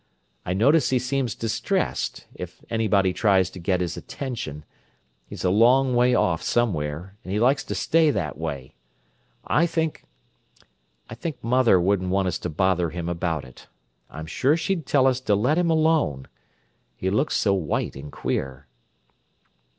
I notice he seems distressed if anybody tries to get his attention—he's a long way off, somewhere, and he likes to stay that way. I think—I think mother wouldn't want us to bother him about it; I'm sure she'd tell us to let him alone. He looks so white and queer."